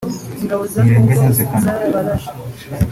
Ntirenganya Zephany